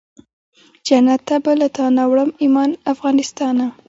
جنت ته به له تانه وړم ایمان افغانستانه